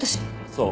そう。